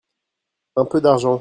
un peu d'argent.